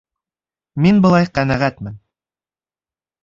Мин былай ҡәнәғәтмен.